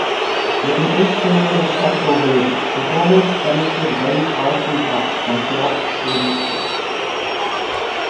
Within eight simulated tropical villages, performers demonstrate various arts and crafts from throughout Polynesia.